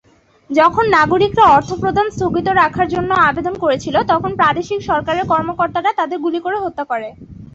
যখন নাগরিকরা অর্থ প্রদান স্থগিত রাখার জন্য আবেদন করেছিল, তখন প্রাদেশিক সরকারের কর্মকর্তারা তাদের গুলি করে হত্যা করে।